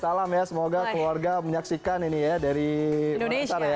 salam ya semoga keluarga menyaksikan ini ya dari makassar ya